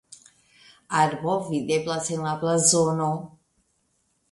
Arbo videblas en la blazono.